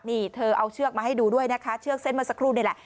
นี่เธอเอาเชือกมาให้ดูด้วยนะคะเชือกเส้นเมื่อสักครู่นี่แหละ